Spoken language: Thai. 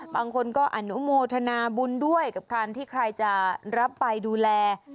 บางคนก็อนุโมทนาบุญด้วยกับการที่ใครจะรับไปดูแล